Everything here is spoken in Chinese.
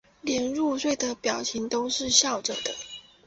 连入睡的表情都是笑着的